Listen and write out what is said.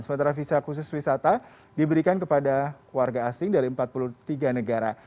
sementara visa khusus wisata diberikan kepada warga asing dari empat puluh tiga negara